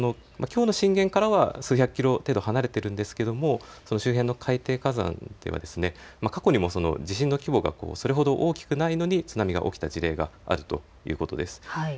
一方で、きょうの震源からは数百キロ程度離れているんですけれども周辺の海底火山では過去にも地震の規模がそれほど大きくないのに津波が起きた事例があるということです。